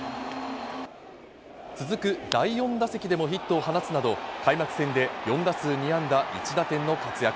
続く第４打席でもヒットを放つなど、開幕戦で４打数２安打１打点の活躍。